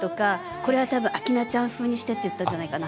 これは多分明菜ちゃん風にしてって言ったんじゃないかな。